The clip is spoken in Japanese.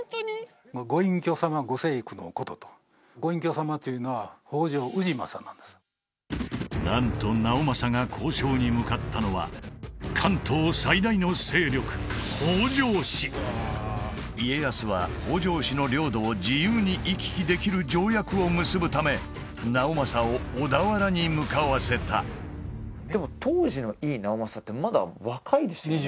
「ご隠居様ご成句のこと」とご隠居様というのは北条氏政なんですなんと直政が交渉に向かったのは関東最大の勢力北条氏家康は北条氏の領土を自由に行き来できる条約を結ぶため直政を小田原に向かわせたでも当時の井伊直政ってまだ若いですよね？